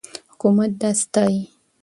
حکومت دا ستایي.